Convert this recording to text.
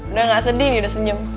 udah nggak sedih udah senyum